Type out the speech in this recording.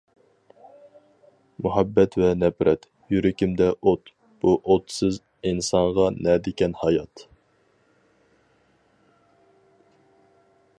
«مۇھەببەت ۋە نەپرەت» -يۈرىكىمدە ئوت، بۇ ئوتسىز ئىنسانغا نەدىكەن ھايات؟ !